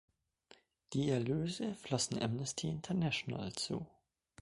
Die Erlöse flossen Amnesty International zu.